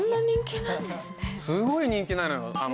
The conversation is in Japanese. すごい人気なのよ。